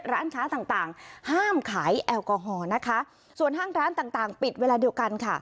ร้านค้าต่างต่างห้ามขายแอลกอฮอล์นะคะส่วนห้างร้านต่างต่างปิดเวลาเดียวกันค่ะ